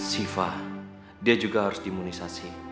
syifa dia juga harus di imunisasi